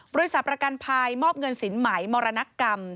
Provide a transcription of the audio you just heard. บริษัทประกันภัยมอบเงินสินใหม่มรณกรรม